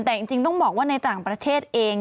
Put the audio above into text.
แต่จริงต้องบอกว่าในต่างประเทศเอง